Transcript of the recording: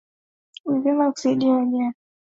Ni vema kusaidia wajane na mayatima